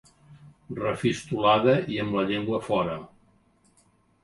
Refistolada i amb la llengua fora.